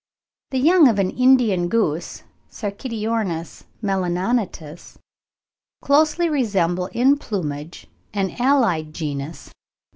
The young of an Indian goose (Sarkidiornis melanonotus) closely resemble in plumage an allied genus, Dendrocygna, when mature.